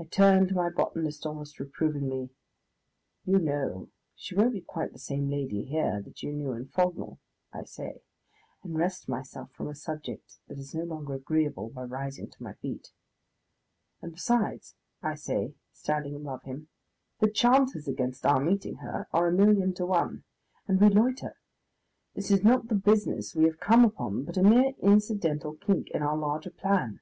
I turn to my botanist almost reprovingly. "You know, she won't be quite the same lady here that you knew in Frognal," I say, and wrest myself from a subject that is no longer agreeable by rising to my feet. "And besides," I say, standing above him, "the chances against our meeting her are a million to one.... And we loiter! This is not the business we have come upon, but a mere incidental kink in our larger plan.